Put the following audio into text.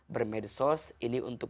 bermedsos ini untuk